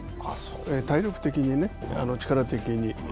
体力的に、力的に。